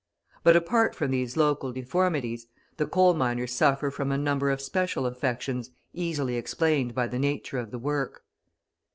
But apart from these local deformities, the coal miners suffer from a number of special affections easily explained by the nature of the work.